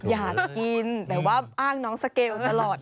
อยากกินแต่ว่าอ้างน้องสเกลตลอด